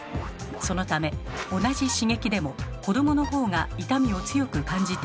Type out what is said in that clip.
そのため同じ刺激でも子どものほうが痛みを強く感じているのです。